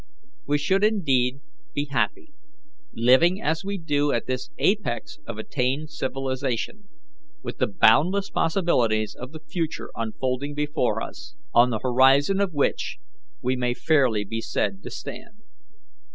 "We should indeed be happy, living as we do at this apex of attained civilization, with the boundless possibilities of the future unfolding before us, on the horizon of which we may fairly be said to stand.